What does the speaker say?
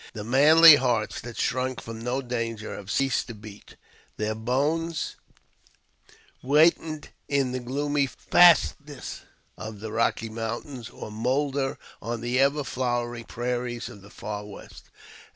The manly hearts that shrunk from no danger have ceased to beat ; their bones whiten in the gloomy fastnesses of the Rocky Mountains, or moulder on the ever flowering prairies of the Far West.